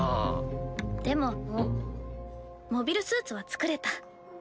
モビルスーツは造れた。